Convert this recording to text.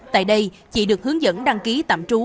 tại đây chị được hướng dẫn đăng ký tạm trú